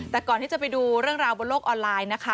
แต่ก่อนที่จะไปดูเรื่องราวบนโลกออนไลน์นะคะ